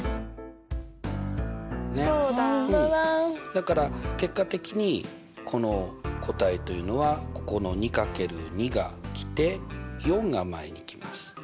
だから結果的にこの答えというのはここの２×２が来て４が前に来ます。